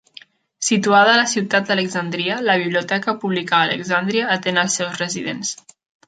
Situada a la ciutat d'Alexandria, la Biblioteca Pública Alexandria atén als seus residents.